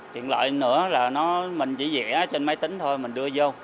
chuyện lợi nữa là mình chỉ dẻ trên máy tính thôi mình đưa vô